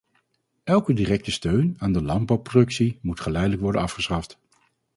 Elke directe steun aan de landbouwproductie moet geleidelijk worden afgeschaft.